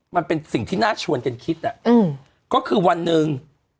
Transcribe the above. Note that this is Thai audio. มันเป็นสิ่งที่น่าชวนกันคิดก็คือวันหนึ่ง